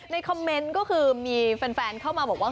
คอมเมนต์ก็คือมีแฟนเข้ามาบอกว่า